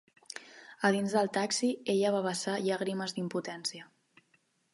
A dins del taxi, ella va vessar llàgrimes d'impotència.